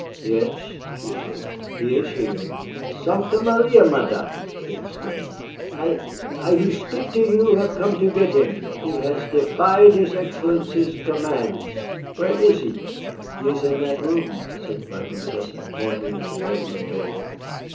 "Yes," she said, "he is here." "Sancta Maria! Madame," he exclaimed, "I I who speak to you have come to get him. He has defied his Excellency's commands. Where is he?" "He is in that room," said the Vicomtesse, pointing at the bedroom door.